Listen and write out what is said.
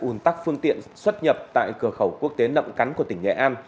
ủn tắc phương tiện xuất nhập tại cửa khẩu quốc tế nậm cắn của tỉnh nghệ an